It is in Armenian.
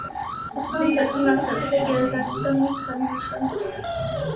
Ուսման ընթացքում նա ստացել է գերազանցության մի քանի նշաններ։